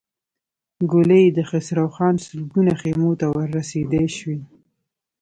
ګولۍ يې د خسروخان سلګونو خيمو ته ور رسېدای شوای.